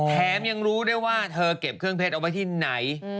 แถมยังรู้ได้ว่าเธอเก็บเครื่องเพชรเอาไว้ที่ไหน